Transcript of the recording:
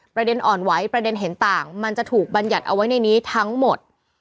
ประเด็นอ่อนไหวประเด็นเห็นต่างมันจะถูกบรรยัติเอาไว้ในนี้ทั้งหมด